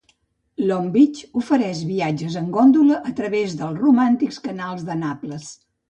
Long Beach ofereix viatges en góndola a través dels romàntics canals de Naples.